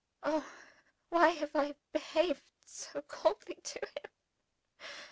Oh, why have I behaved so coldly to him?